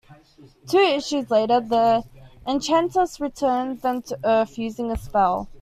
Two issues later the Enchantress returns them to Earth using a spell.